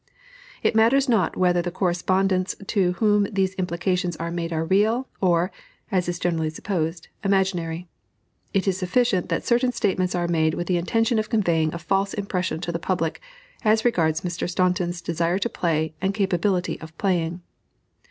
It matters not whether the correspondents to whom these implications are made are real or (as is generally supposed) imaginary. It is sufficient that certain statements are made with the intention of conveying a false impression to the public as regards Mr. Staunton's desire to play and capability of playing.